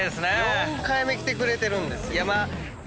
４回目来てくれてるんです。